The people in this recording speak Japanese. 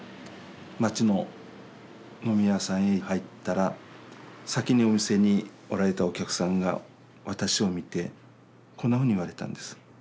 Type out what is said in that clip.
町の飲み屋さんへ入ったら先にお店におられたお客さんが私を見てこんなふうに言われたんです。